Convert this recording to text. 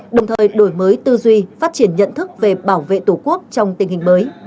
đồng thời đổi mới tư duy phát triển nhận thức về bảo vệ tổ quốc trong tình hình mới